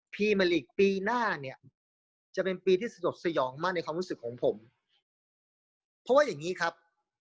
มาลีกปีหน้าเนี่ยจะเป็นปีที่สะดดสยองมากในความรู้สึกของผมเพราะว่าอย่างนี้ครับ